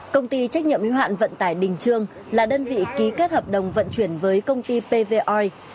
công ty trách nhiệm hạng vận tải đình trương là đơn vị ký kết hợp đồng vận chuyển với công ty pv oil